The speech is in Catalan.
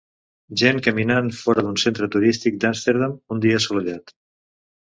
Gent caminant fora d'un centre turístic d'Amsterdam un dia assolellat.